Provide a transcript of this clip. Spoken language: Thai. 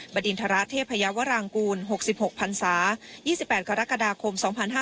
บดินทรเทพยาวรางกูล๖๖พันศา๒๘กรกฎาคม๒๕๕๙